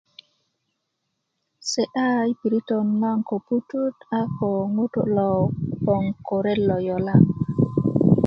si'da i piritön naŋ ko putu a ko ŋutu logon ko ret lo yola